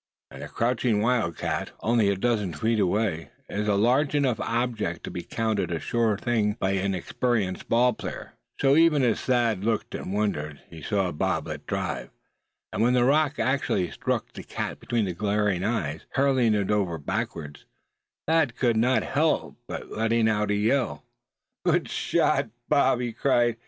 And a crouching wildcat, only a dozen feet away, is a large enough object to be counted a sure thing by an experienced ball player. So even as Thad looked and wondered, he saw Bob let drive. And when the rock actually struck the cat between its glaring eyes, hurling it over backwards, Thad could not help letting out a yell. "Good shot, Bob!" he cried.